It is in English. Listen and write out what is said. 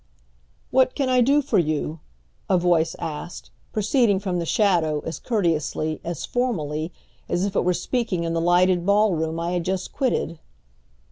"What can I do for you?" a voice asked, proceeding from the shadow, as courteously, as formally, as if it were speaking in the lighted ball room I had just quitted.